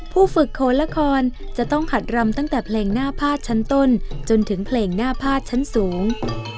ผู้ฝึกโคนละครจะต้องหัดรำตั้งแต่เพลงหน้าพาดชั้นต้นจนถึงเพลงหน้าพาดชั้นสูง